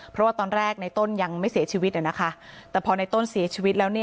เพราะว่าตอนแรกในต้นยังไม่เสียชีวิตแต่พอในต้นเสียชีวิตแล้ว